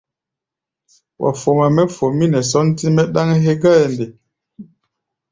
Wa foma mɛ́ fomí nɛ sɔ́ntí-mɛ́ ɗáŋ hégɔ́ʼɛ nde?